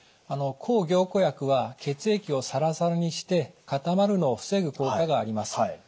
抗凝固薬は血液をサラサラにして固まるのを防ぐ効果があります。